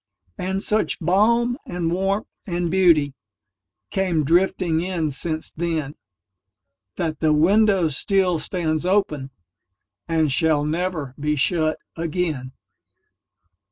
And such balm and warmth and beautyCame drifting in since then, That the window still stands openAnd shall never be shut again.